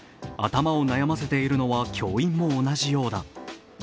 頭を悩ませているのは教員も同じようだ。